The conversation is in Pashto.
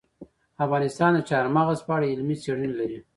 افغانستان د چار مغز په اړه علمي څېړنې لري.